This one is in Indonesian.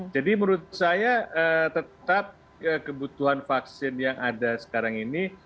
jadi menurut saya tetap kebutuhan vaksin yang ada sekarang ini